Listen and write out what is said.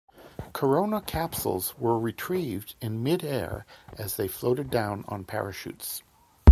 Corona capsules were retrieved in mid-air as they floated down on parachutes.